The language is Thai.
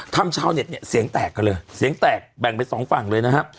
ชาวเน็ตเนี่ยเสียงแตกกันเลยเสียงแตกแบ่งเป็นสองฝั่งเลยนะครับ